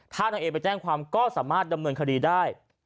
ถ้านางเอไปแจ้งความก็สามารถดำเนินคดีได้